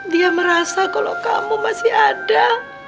dia merasa kalau kamu masih ada